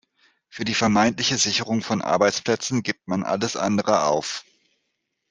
Für die vermeintliche Sicherung von Arbeitsplätzen gibt man alles andere auf.